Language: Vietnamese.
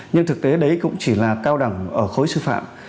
nhưng thực tế đấy cũng chỉ là cao đẳng ở khối sư phạm